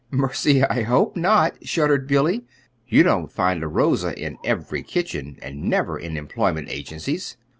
"Mercy! I hope not," shuddered Billy. "You don't find a Rosa in every kitchen and never in employment agencies!